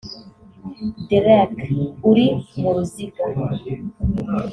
Derek(uri mu ruziga)